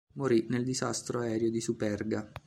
Morì nel disastro aereo di Superga.